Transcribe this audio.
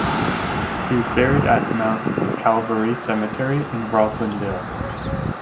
He was buried at Mount Calvary Cemetery in Roslindale.